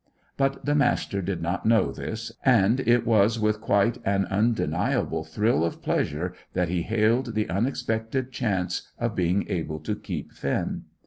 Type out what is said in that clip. But the Master did not know this, and it was with an undeniable thrill of pleasure that he hailed the unexpected chance of being able to keep Finn.